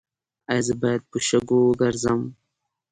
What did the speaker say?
ایا زه باید په شګو وګرځم؟